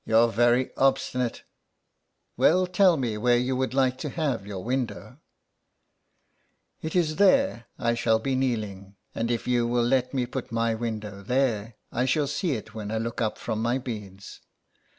" You're very obstinate. Well, tell me where you would like to have your window." " It is there I shall be kneeling, and if you will let me put my window there I shall see it when I look up from my beads.